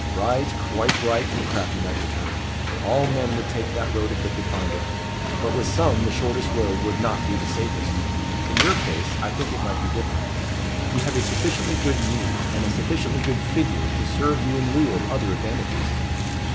"Right, quite right," the crafty knight returned. "All men would take that road if they could find it. But with some the shortest road would not be the safest. In your case I think it might be different. You have a sufficiently good mien, and a sufficiently good figure, to serve you in lieu of other advantages."